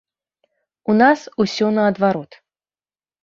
У нас усё наадварот.